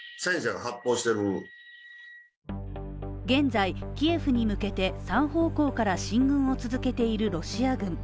現在キエフに向けて３方向から進軍を続けているロシア軍。